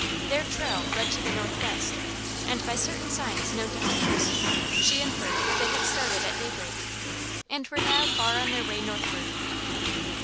Their trail led to the northwest, and by certain signs known to hunters, she inferred that they had started at day break and were now far on their way northward.